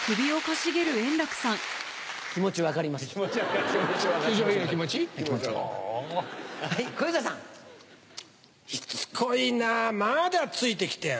しつこいなまだついて来てやがる。